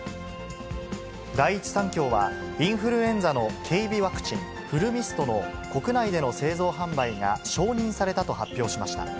第一三共は、インフルエンザの経鼻ワクチン、フルミストの国内での製造・販売が承認されたと発表しました。